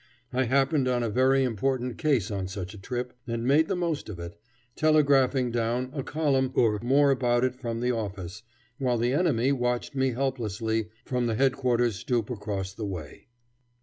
I happened on a very important case on such a trip, and made the most of it, telegraphing down a column or more about it from the office, while the enemy watched me helplessly from the Headquarters' stoop across the way.